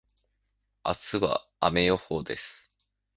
明日は雨予報です。